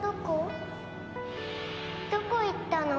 どこ行ったの？